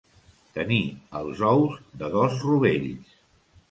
Tenir els ous de dos rovells.